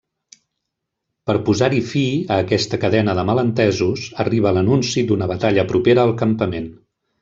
Per posar-hi fi a aquesta cadena de malentesos, arriba l'anunci d'una batalla propera al campament.